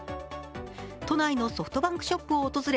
都内のソフトバンクショップを訪れ